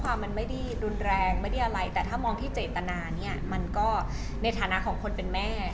ความมันไม่ได้รุนแรงไม่ได้อะไรแต่ถ้ามองที่เจตนาเนี่ยมันก็ในฐานะของคนเป็นแม่